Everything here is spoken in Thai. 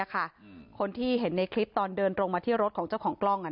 คนที่เห็นในคลิปตอนเดินตรงมาที่รถของเจ้าของกล้อง